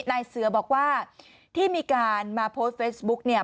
นายเสือบอกว่าที่มีการมาโพสต์เฟซบุ๊กเนี่ย